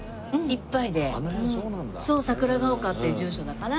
桜丘っていう住所だから。